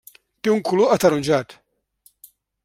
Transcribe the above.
Té un color ataronjat.